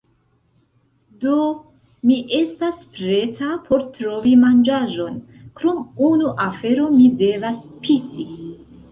Do, mi estas preta por trovi manĝaĵon krom unu afero mi devas pisi